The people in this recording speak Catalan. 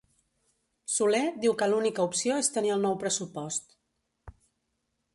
Soler diu que l'única opció és tenir el nou pressupost